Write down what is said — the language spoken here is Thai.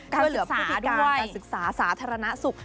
ช่วยเหลือพฤติการสาธารณสุข